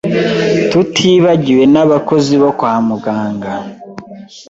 Tutibagiwe n’abakozi bo kwa muganga